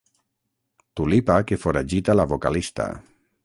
Tulipa que foragita la vocalista.